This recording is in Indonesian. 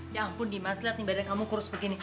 ya ampun dimas lihat nih badan kamu kurus begini